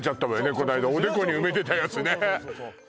こないだおでこに埋めてたやつね